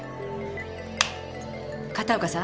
片岡さん？